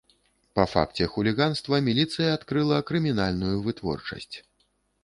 Па факце хуліганства міліцыя адкрыла крымінальную вытворчасць.